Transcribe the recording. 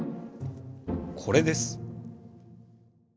これです。